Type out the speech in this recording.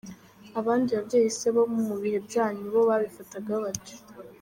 Abandi babyeyi se bo mu bihe byanyu bo babifataga bate?.